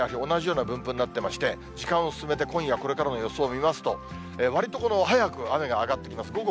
同じような分布になってまして、時間を進めて、今夜これからの予想を見ますと、わりと早く雨が上がってきます。